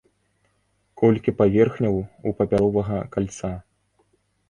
Колькі паверхняў у папяровага кальца?